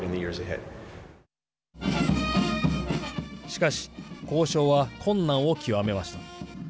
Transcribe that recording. しかし交渉は困難を極めました。